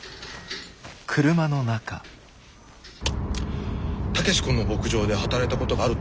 武志君の牧場で働いたことがあるとおっしゃいましたね。